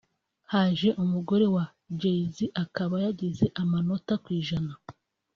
haje umugore wa Jay-Z akaba yagize amanota ku ijana